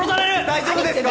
・大丈夫ですか？